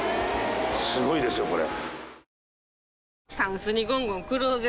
すごいですよこれ。